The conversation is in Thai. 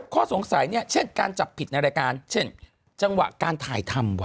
ข้อสงสัยเนี่ยเช่นการจับผิดในรายการเช่นจังหวะการถ่ายทำว่